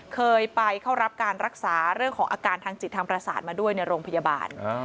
เคยไปเข้ารับการรักษาเรื่องของอาการทางจิตทางประสาทมาด้วยในโรงพยาบาล